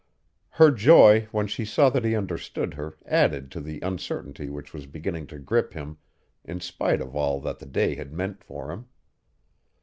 Her joy when she saw that he understood her added to the uncertainty which was beginning to grip him in spite of all that the day had meant for him.